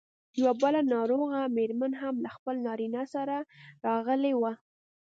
یوه بله ناروغه مېرمن هم له خپل نارینه سره راغلې وه.